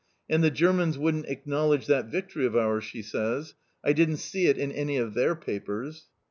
"And the Germans wouldn't acknowledge that victory of ours," she says! "I didn't see it in any of their papers."